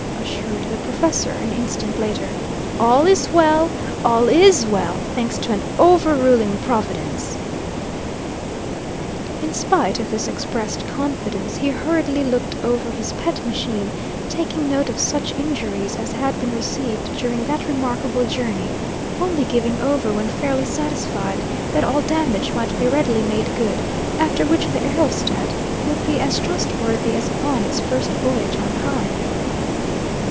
assured the professor, an instant later. "All is well, all IS well, thanks to an over ruling Providence!" In spite of this expressed confidence, he hurriedly looked over his pet machine, taking note of such injuries as had been received during that remarkable journey, only giving over when fairly satisfied that all damage might be readily made good, after which the aerostat would be as trustworthy as upon its first voyage on high.